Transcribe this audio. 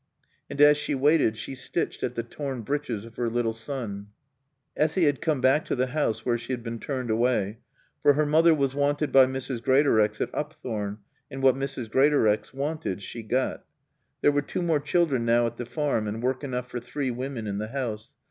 And as she waited she stitched at the torn breeches of her little son. Essy had come back to the house where she had been turned away. For her mother was wanted by Mrs. Greatorex at Upthorne and what Mrs. Greatorex wanted she got. There were two more children now at the Farm and work enough for three women in the house.